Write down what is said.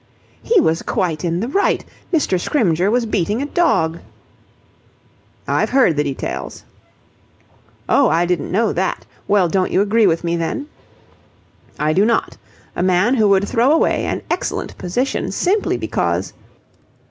"He was quite in the right. Mr. Scrymgeour was beating a dog..." "I've heard the details." "Oh, I didn't know that. Well, don't you agree with me, then?" "I do not. A man who would throw away an excellent position simply because..."